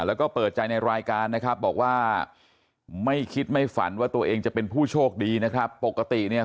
แล้วก็เปิดใจในรายการนะครับบอกว่าไม่คิดไม่ฝันว่าตัวเองจะเป็นผู้โชคดีนะครับปกติเนี่ย